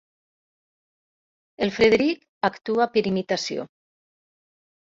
El Frederic actua per imitació.